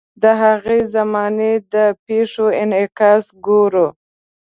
د هغې زمانې د پیښو انعکاس ګورو.